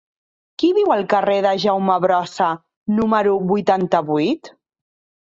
Qui viu al carrer de Jaume Brossa número vuitanta-vuit?